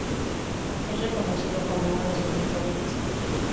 Es reconocido como uno de sus mejores discos.